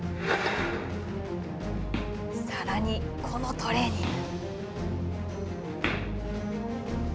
さらに、このトレーニング。